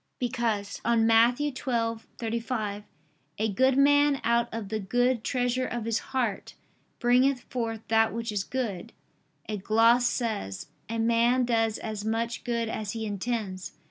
Because on Matt. 12:35, "A good man out of the good treasure of his heart bringeth forth that which is good," a gloss says: "A man does as much good as he intends."